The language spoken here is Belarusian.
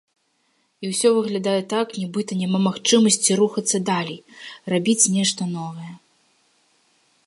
І ўсё выглядае так, нібыта няма магчымасці рухацца далей, рабіць нешта новае.